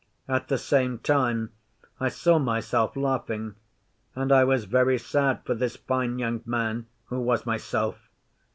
At the same time I saw myself laughing, and I was very sad for this fine young man, who was myself.